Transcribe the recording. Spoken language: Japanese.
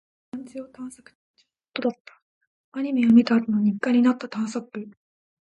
団地を探索中のことだった。アニメを見たあとの日課になった探索。